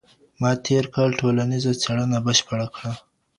ما تېر کال ټولنیزه څېړنه بشپړه کړه.